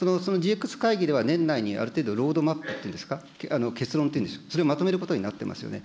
ＧＸ会議では年内にある程度、ロードマップというんですか、結論をまとめることになってますよね。